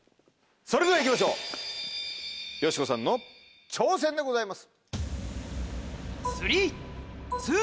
それでは行きましょうよしこさんの挑戦でございます。